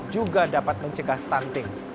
juga dapat mencegah stunting